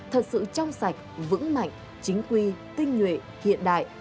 thật sự trong sạch vững mạnh chính quy tinh nhuệ hiện đại